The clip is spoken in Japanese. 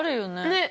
ねっ！